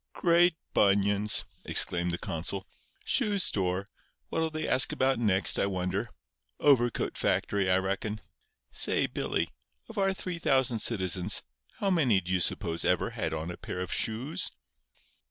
"Great bunions!" exclaimed the consul. "Shoe store! What'll they ask about next, I wonder? Overcoat factory, I reckon. Say, Billy—of our 3,000 citizens, how many do you suppose ever had on a pair of shoes?"